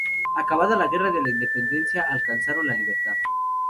Acabada la Guerra de la Independencia, alcanzaron la libertad.